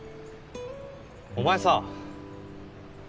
お前さ。